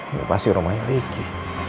ini pasti rumahnya riki